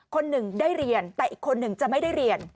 คนหนึ่งได้เรียนแต่อีกคนหนึ่งจะไม่ได้เรียน